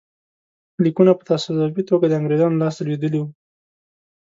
لیکونه په تصادفي توګه د انګرېزانو لاسته لوېدلي وو.